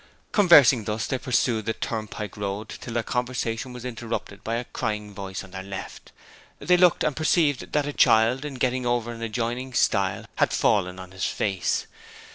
Conversing thus they pursued the turnpike road till their conversation was interrupted by a crying voice on their left. They looked, and perceived that a child, in getting over an adjoining stile, had fallen on his face.